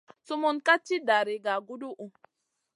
Sumun ka tì dari gaguduhu.